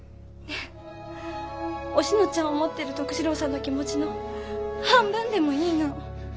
おしのちゃんを思ってる徳次郎さんの気持ちの半分でもいいの。